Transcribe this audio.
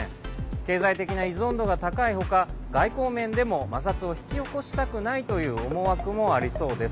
経済的な依存度が高い他外交面でも摩擦を引き起こしたくないという思惑もありそうです。